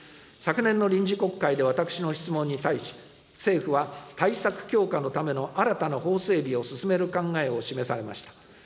昨年の臨時国会で私の質問に対し、政府は、対策強化のための新たな法整備を進める考えを示されました。